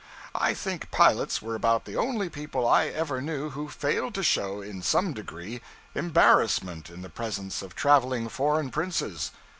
I think pilots were about the only people I ever knew who failed to show, in some degree, embarrassment in the presence of traveling foreign princes.